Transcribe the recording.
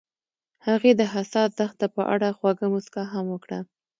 هغې د حساس دښته په اړه خوږه موسکا هم وکړه.